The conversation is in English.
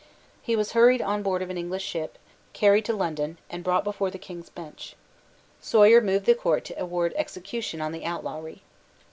He was hurried on board of an English ship, carried to London, and brought before the King's Bench. Sawyer moved the Court to award execution on the outlawry.